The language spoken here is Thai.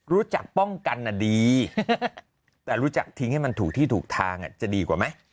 รู้จักป้องกันดีแต่รู้จักทิ้งให้มันถูกที่ถูกทางจะดีกว่าไหม